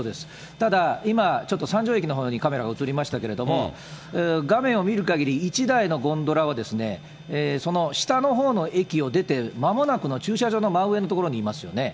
ただ、今、ちょっと山頂駅のほうにカメラが映りましたけれども、画面を見るかぎり、１台のゴンドラは、その下のほうの駅を出てまもなくの駐車場の真上の所にいますよね。